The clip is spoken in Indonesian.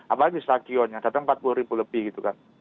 apalagi stadionnya datang empat puluh ribu lebih gitu kan